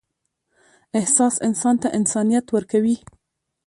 احساس انسان ته انسانیت ورکوي.